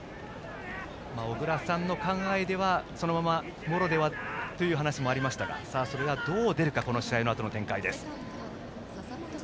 小倉さんの考えではそのまま茂呂ではという話もありましたがそれがどう出るかこのあとの試合展開です。